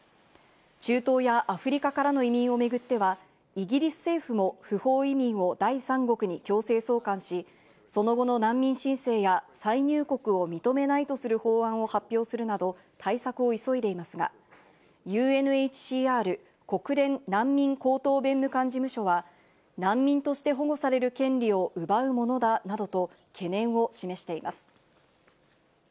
中東やアフリカからの移民をめぐっては、イギリス政府も不法移民を第三国に強制送還し、その後の難民申請や再入国を認めないとする方案を発表するなど対策を急いでいますが、ＵＮＨＣＲ＝国連難民高等弁務官事務所は難民として保護される権利を奪うものだなどと懸念を示しています。